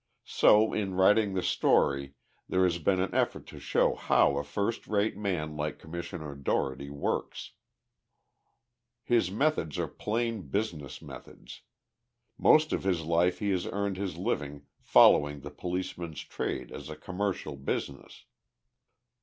So in writing the story there has been an effort to show how a first rate man like Commissioner Dougherty works. His methods are plain business methods. Most of his life he has earned his living following the policeman's trade as a commercial business.